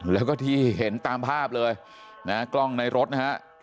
แล้วก็ที่เห็นตามภาพเลยนะฮะกล้องในรถนะฮะ